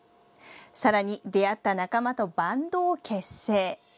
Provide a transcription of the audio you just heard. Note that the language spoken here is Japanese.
さらに出会った仲間とバンドを結成。